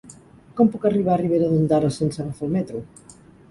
Com puc arribar a Ribera d'Ondara sense agafar el metro?